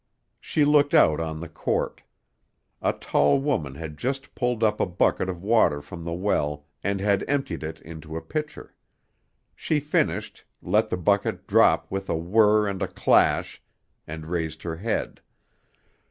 She looked out on the court. A tall woman had just pulled up a bucket of water from the well and had emptied it into a pitcher. She finished, let the bucket drop with a whirr and a clash, and raised her head.